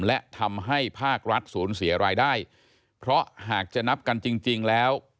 และทำให้ภาครัฐศูนย์เสียรายได้เพราะหากจะนับกันจริงแล้ว